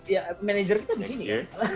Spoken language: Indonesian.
ya manajer kita di sini kan